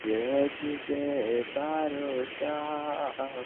তুমি ইহার প্রতিরোধ করিতে পার না।